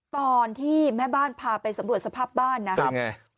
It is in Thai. ตอนที่แม่บ้านพาไปสำรวจสภาพบ้านนะ